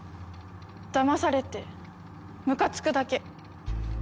騙されてムカつくだけ。